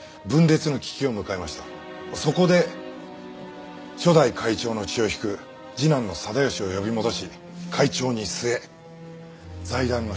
そこで初代会長の血を引く次男の定良を呼び戻し会長に据え財団の引き締めを図った。